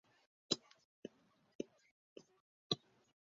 伍柳派是伍守阳和柳华阳在明末清初创立的内丹丹法流派。